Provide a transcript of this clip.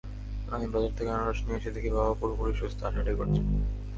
আমি বাজার থেকে আনারস নিয়ে এসে দেখি বাবা পুরোপুরি সুস্থ, হাঁটাহাঁটি করছেন।